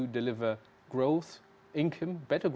dalam jangka panjang